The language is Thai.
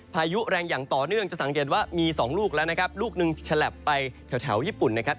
พายุแรงอย่างต่อเนื่องจะสังเกตว่ามีสองลูกแล้วนะครับลูกหนึ่งฉลับไปแถวญี่ปุ่นนะครับ